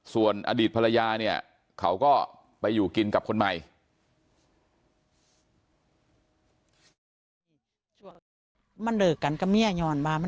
ส่วนอดีตภรรยาเนี่ยเขาก็ไปอยู่กินกับคนใหม่